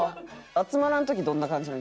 集まらん時どんな感じなん？